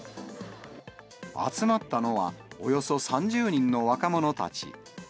集まったのは、およそ３０人の若者たち。